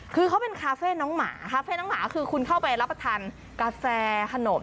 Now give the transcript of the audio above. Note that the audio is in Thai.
คือเขาเป็นคาเฟ่น้องหมาคาเฟ่น้องหมาคือคุณเข้าไปรับประทานกาแฟขนม